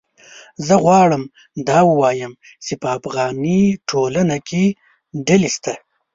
زه غواړم دا ووایم چې په افغاني ټولنه کې ډلې شته